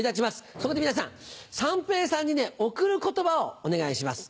そこで皆さん三平さんに贈る言葉をお願いします。